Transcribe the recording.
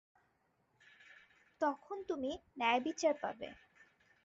তখন তুমি ন্যায়বিচার পাবে।